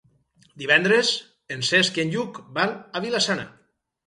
Divendres en Cesc i en Lluc van a Vila-sana.